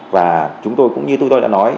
và chúng tôi cũng như tôi đã nói